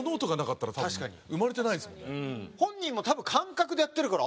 本人も多分感覚でやってるからあ